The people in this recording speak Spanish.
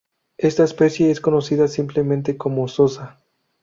Esta especie es conocida simplemente como 'Sosa'.